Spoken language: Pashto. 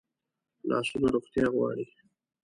لاسونه روغتیا غواړي